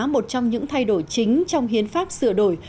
một trong những thay đổi chính trong hiến pháp sửa đổi